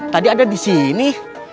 tadi ada disini